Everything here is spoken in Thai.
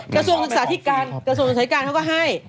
กระทรวงศึกษาอาทิการเขาก็ให้